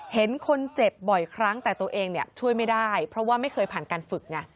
เห็นคนเจ็บบ่อยครั้งแต่ตัวเองช่วยไม่ได้เพราะว่าไม่เคยผ่านการฝึกไง